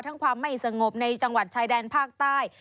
ความไม่สงบในจังหวัดชายแดนภาคใต้